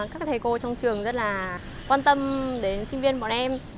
các thầy cô trong trường rất là quan tâm đến sinh viên bọn em